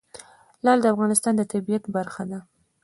لعل د افغانستان د طبیعت برخه ده.